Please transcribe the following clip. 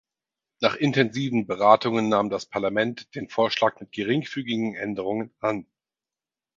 Nach intensiven Beratungen nahm das Parlament den Vorschlag mit geringfügigen Änderungen an.